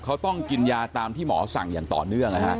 เขาต้องกินยาตามที่หมอสั่งอย่างต่อเนื่อง